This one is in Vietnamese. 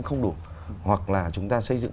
không đủ hoặc là chúng ta xây dựng